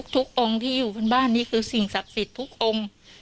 องค์ที่อยู่บนบ้านนี่คือสิ่งศักดิ์สิทธิ์ทุกองค์